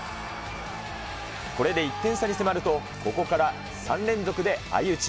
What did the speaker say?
これで１点差に迫ると、ここから３連続で相打ち。